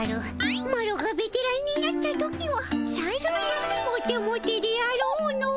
マロがベテランになった時はさぞやモテモテであろうの。